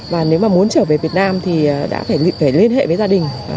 và nếu mà muốn trở về việt nam thì đã phải liên hệ với gia đình